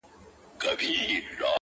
• خو په ژوند کي یې نصیب دا یو کمال وو -